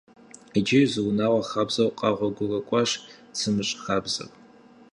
Иджыри зы унагъуэ хабзэу къэгъуэгурыкӏуащ «цымыщӏ» хабзэр.